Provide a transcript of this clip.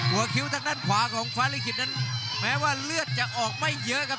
คิ้วทางด้านขวาของฟ้าลิขิตนั้นแม้ว่าเลือดจะออกไม่เยอะครับ